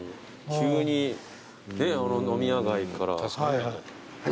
急に飲み屋街から。